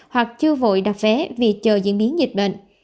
hoặc chưa vội đặt vé vì chờ diễn biến dịch bệnh